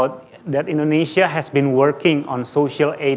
tentang indonesia yang telah bekerja di sosial aid empat